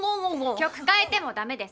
曲変えてもダメです！